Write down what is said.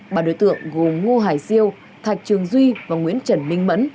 bà đối tượng gồm ngo hải siêu thạch trường duy và nguyễn trần minh mẫn